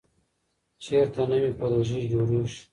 چېرته نوې پروژې جوړېږي؟